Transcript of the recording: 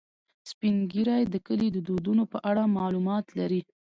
سپین ږیری د کلي د دودونو په اړه معلومات لري